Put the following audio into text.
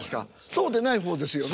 そうでない方ですよね？